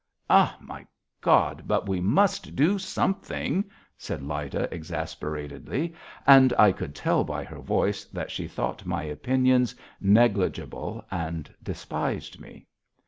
"Ah! My God, but we must do something!" said Lyda exasperatedly, and I could tell by her voice that she thought my opinions negligible and despised me.